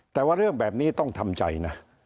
แต่ว่าเรื่องแบบนี้ต้องทำใจนะ